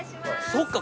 そっか